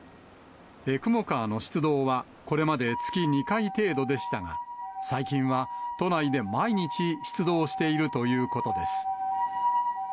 ＥＣＭＯカーの出動は、これまで月２回程度でしたが、最近は、都内で毎日出動しているということです。